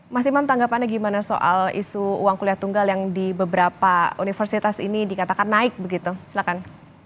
mas imam tanggapannya gimana soal isu uang kuliah tunggal yang di beberapa universitas ini dikatakan naik begitu silakan